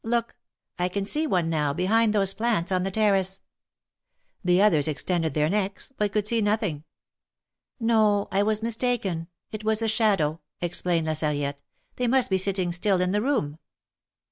Look ! I can see one now behind those plants on the terrace.'^ The others extended their necks, but could see nothing. No, I was mistaken. It was a shadow," explained La Sarriette. They must be sitting still in the room."